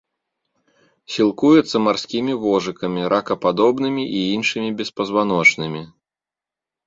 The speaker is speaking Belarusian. Сілкуецца марскімі вожыкамі, ракападобнымі і іншымі беспазваночнымі.